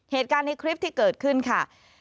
เหตุการณ์ในคลิปที่เกิดขึ้นค่ะ